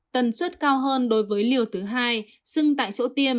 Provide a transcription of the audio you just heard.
tần suất cao hơn đối với liều thứ hai sưng tại chỗ tiêm